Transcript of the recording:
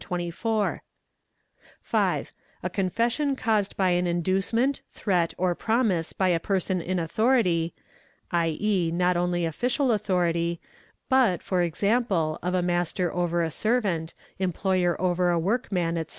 24). 5. A confession caused by an inducement, threat, or promise by a person in authority (¢.e., not only official authority, but e.g., of a master over a servant, employer over a workman, &c.